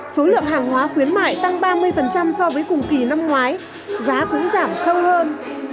số lượng hàng hóa khuyến mại tăng ba mươi so với cùng kỳ năm ngoái giá cũng giảm sâu hơn